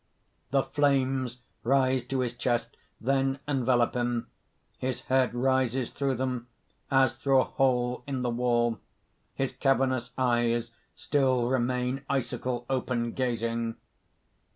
(_The flames rise to his chest, then envelope him. His head rises through them as through a hole in the wall. His cavernous eyes still remain icicle open, gazing.